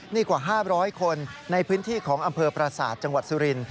นี่กว่า๕๐๐คนในพื้นที่ของอำเภอประสาทจังหวัดสุรินท